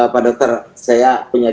pak dokter saya punya